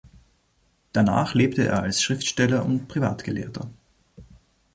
Danach lebte er als Schriftsteller und Privatgelehrter.